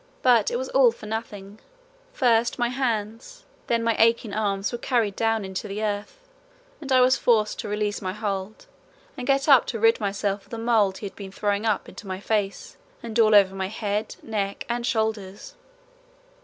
But it was all for nothing: first my hands, then my aching arms were carried down into the earth, and I was forced to release my hold and get up to rid myself of the mould he had been throwing up into my face and all over my head, neck, and shoulders.